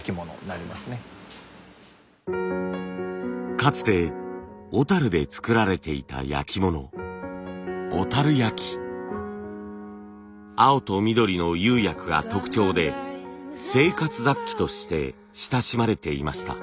かつて小で作られていた焼き物小焼青と緑の釉薬が特徴で生活雑器として親しまれていました。